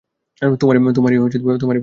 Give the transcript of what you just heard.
তোমারই বোন!